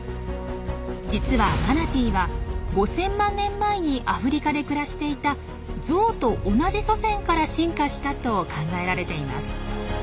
実はマナティーは５，０００万年前にアフリカで暮らしていた「ゾウと同じ祖先」から進化したと考えられています。